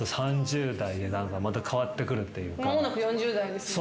間もなく４０代ですもんね？